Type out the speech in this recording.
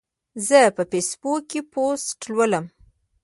زه په فیسبوک کې پوسټ لولم.